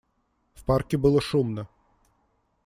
В парке было шумно.